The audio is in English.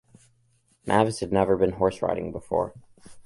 Mavis had never been horse riding before.